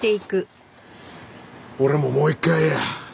俺ももう一回や。